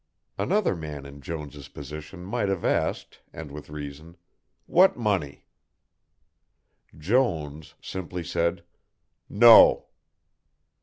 Another man in Jones' position might have asked, and with reason. "What money?" Jones simply said "No."